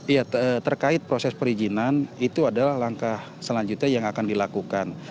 ya terkait proses perizinan itu adalah langkah selanjutnya yang akan dilakukan